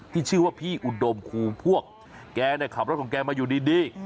ที่ชื่อว่าพี่อุดมคูพวกแกขับรถของแกมาอยู่ดี